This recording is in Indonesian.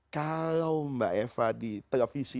kalau mbak eva di televisi